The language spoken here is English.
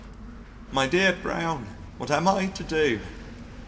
"My dear Brown, what am I to do?"